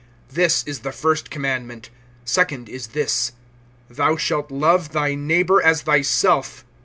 This is the first commandment. (31)Second is this: Thou shalt love thy neighbor as thyself.